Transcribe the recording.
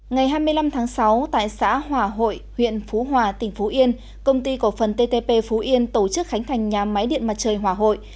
ngày hai mươi năm tháng sáu tại xã hòa hội huyện phú hòa tỉnh phú yên công ty cổ phần ttp phú yên tổ chức khánh thành nhà máy điện mặt trời hòa hội